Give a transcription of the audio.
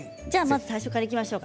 最初からいきましょう。